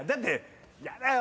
嫌だよ。